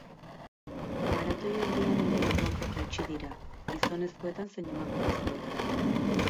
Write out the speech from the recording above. Maratoi erdian ere errekorrak hautsi dira, gizonezkoetan zein emakumezkoetan.